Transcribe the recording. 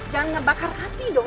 jangan ngebakar api dong